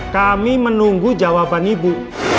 kami menunggu jawaban ibu